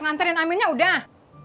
ngantarin aminnya udah